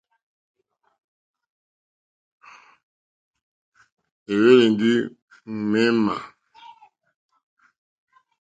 É hwélì ndí ŋmémà.